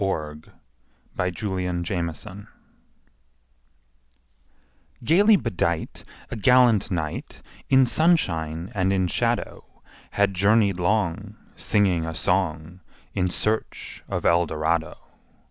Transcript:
Edgar Allan Poe Eldorado GAYLY bedight, A gallant knight, In sunshine and in shadow, Had journeyed long, Singing a song, In search of Eldorado.